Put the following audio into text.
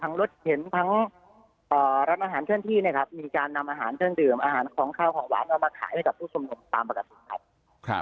รถเข็นทั้งร้านอาหารเคลื่อนที่เนี่ยครับมีการนำอาหารเครื่องดื่มอาหารของข้าวของหวานเอามาขายให้กับผู้ชุมนุมตามปกติครับ